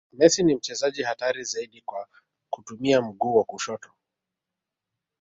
messi ni mchezaji hatari zaidi kwa kutumia mguu wa kushoto